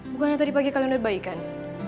bukannya tadi pagi kalian melihat baikan